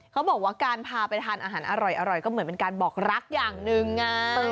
เขาบอกว่าการพาไปทานอาหารอร่อยก็เหมือนเป็นการบอกรักอย่างหนึ่ง